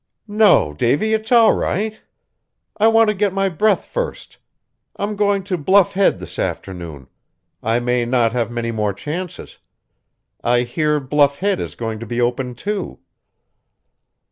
"No, Davy, it's all right. I want to get my breath first. I'm going to Bluff Head this afternoon. I may not have many more chances. I hear Bluff Head is going to be opened, too."